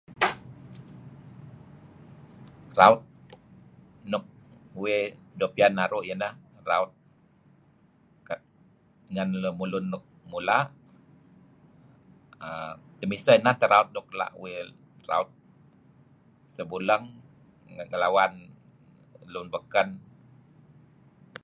Raut nuk uih doo' pian naru' iyeh ineh raut ngen lemlun nuk mula' uhm temiseh inan tah raut nuk ela' uih raut sebuleng ngelawang lun baken.